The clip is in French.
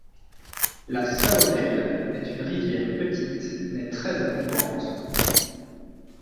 La Saônelle est une rivière petite, mais très abondante.